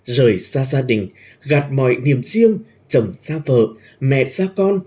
rời xa gia đình gạt mọi niềm riêng chồng xa vợ mẹ xa con